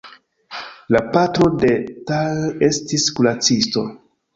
La patro de Tal estis kuracisto.